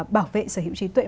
bảo vệ sở hữu trí tuệ